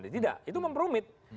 tidak itu memperumit